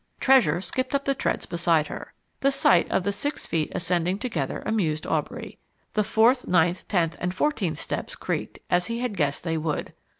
Treasure skipped up the treads beside her. The sight of the six feet ascending together amused Aubrey. The fourth, ninth, tenth, and fourteenth steps creaked, as he had guessed they would.